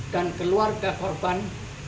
dan keluarga korban